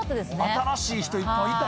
新しい人いっぱいいた。